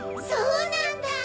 そうなんだ！